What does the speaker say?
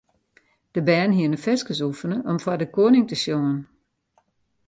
De bern hiene ferskes oefene om foar de koaning te sjongen.